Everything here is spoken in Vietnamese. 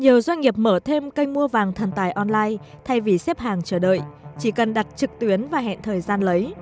nhiều doanh nghiệp mở thêm kênh mua vàng thần tài online thay vì xếp hàng chờ đợi chỉ cần đặt trực tuyến và hẹn thời gian lấy